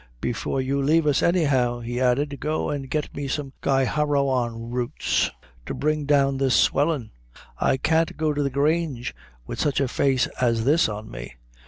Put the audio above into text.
Before you lave us, anyhow," he added, "go and get me some Gaiharrawan roots to bring down this swellin'; I can't go to the Grange wid sich a face as this on me."